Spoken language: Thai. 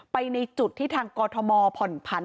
ไปในจุดที่ทางกพรพันธ์